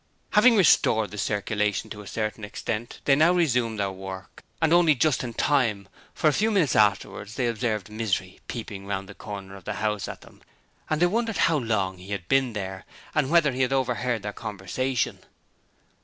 Having restored the circulation to a certain extent, they now resumed their work, and only just in time, for a few minutes afterwards they observed Misery peeping round the corner of the house at them and they wondered how long he had been there, and whether he had overheard their conversation.